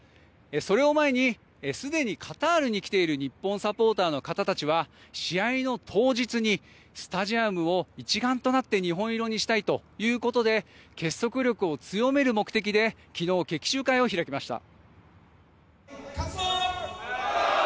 それを前にすでにカタールに来ている日本サポーターの方たちは試合の当日にスタジアムを一丸となって日本色にしたいということで結束力を強める目的で昨日、決起集会を開きました。